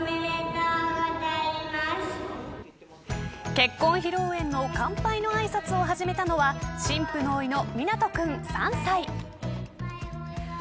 結婚披露宴の乾杯のあいさつを始めたのは新婦のおいのみなと君、３歳。